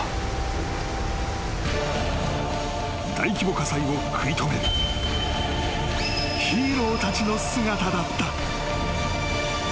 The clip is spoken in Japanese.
［大規模火災を食い止めるヒーローたちの姿だった］